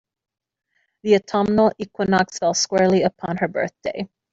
The autumnal equinox fell squarely upon her birthday.